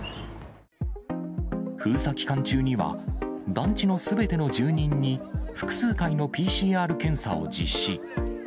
封鎖期間中には、団地のすべての住人に複数回のＰＣＲ検査を実施。